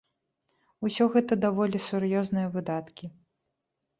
Усё гэта даволі сур'ёзныя выдаткі.